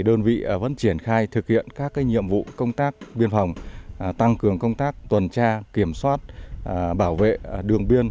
đơn vị vẫn triển khai thực hiện các nhiệm vụ công tác biên phòng tăng cường công tác tuần tra kiểm soát bảo vệ đường biên